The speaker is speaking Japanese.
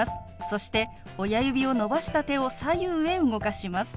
そして親指を伸ばした手を左右へ動かします。